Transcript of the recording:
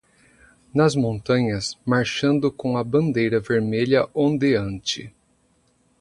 Nas montanhas, marchando com a bandeira vermelha ondeante